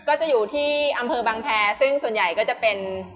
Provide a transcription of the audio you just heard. ก็จะอยู่ที่อำเภอบางแพรซึ่งส่วนใหญ่ก็จะเป็น